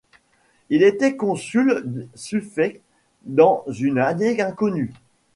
Il était consul suffect dans une année inconnue.